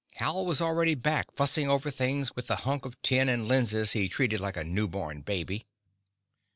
Hal was already back, fussing over things with the hunk of tin and lenses he treated like a newborn baby.